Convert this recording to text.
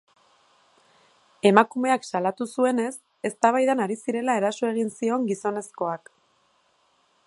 Emakumeak salatu zuenez, eztabaidan ari zirela eraso egin zion gizonezkoak.